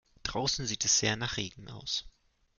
Draußen sieht es sehr nach Regen aus.